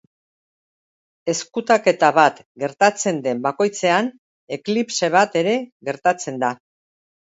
Ezkutaketa bat gertatzen den bakoitzean, eklipse bat ere gertatzen da.